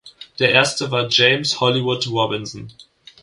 Der erste war James „Hollywood“ Robinson.